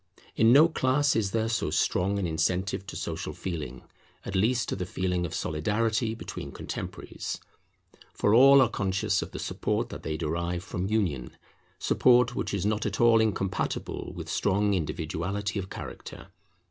In no class is there so strong an incentive to social feeling, at least to the feeling of Solidarity between contemporaries; for all are conscious of the support that they derive from union, support which is not at all incompatible with strong individuality of character.